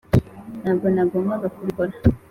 ntabwo nagombaga kubikora.